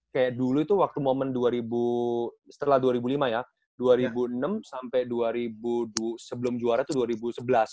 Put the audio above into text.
kayak dulu itu waktu moment dua ribu setelah dua ribu lima ya dua ribu enam sampai dua ribu sebelum juara itu dua ribu sebelas